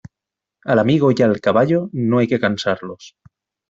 Al amigo y al caballo, no hay que cansarlos.